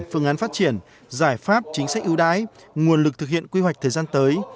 phương án phát triển giải pháp chính sách ưu đái nguồn lực thực hiện quy hoạch thời gian tới